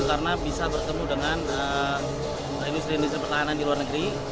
karena bisa bertemu dengan industri industri pertahanan di luar negeri